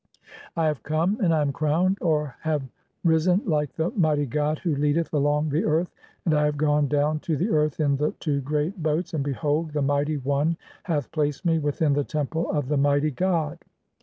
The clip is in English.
"I have come, and I am crowned (or have risen) like the "Mighty god who leadeth along the earth, and I have gone "down to the earth in the two great (17) boats; and behold, "the mighty one hath placed me within the Temple of the "Mighty god.